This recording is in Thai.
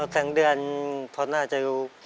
แสงเดือนพอหน้าจะรู้